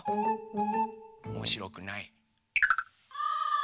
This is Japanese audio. おもしろくない？